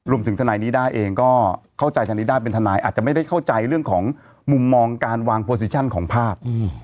ทนายนิด้าเองก็เข้าใจทางนิด้าเป็นทนายอาจจะไม่ได้เข้าใจเรื่องของมุมมองการวางโปรซิชั่นของภาพ